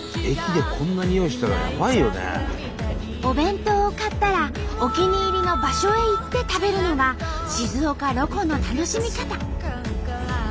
お弁当を買ったらお気に入りの場所へ行って食べるのが静岡ロコの楽しみ方。